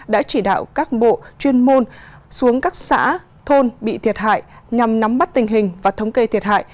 đã chỉ đạo các bộ chuyên môn xuống các xã thôn bị thiệt hại nhằm nắm bắt tình hình và thống kê thiệt hại